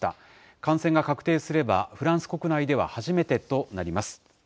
感染が確定すれば、フランス国内では初めてとなります。